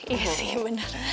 iya sih bener